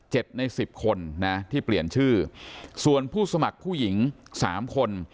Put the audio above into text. ในสิบคนนะที่เปลี่ยนชื่อส่วนผู้สมัครผู้หญิงสามคน